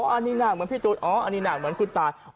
อันนี้หน้ากับพี่จู๊ดอันนี้หน้ากับคุณตาย